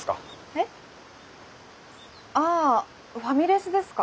えっあファミレスですか？